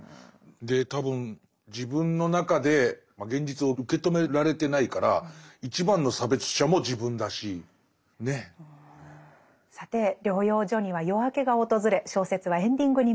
で多分自分の中で現実を受け止められてないから一番の差別者も自分だし。ね。さて療養所には夜明けが訪れ小説はエンディングに向かいます。